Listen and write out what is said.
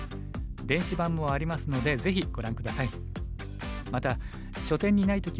電子版もありますのでぜひご覧下さい。